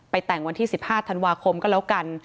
แต่งวันที่๑๕ธันวาคมก็แล้วกัน